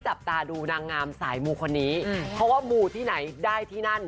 จับตาดูนางงามสายมูคนนี้เพราะว่ามูที่ไหนได้ที่นั่น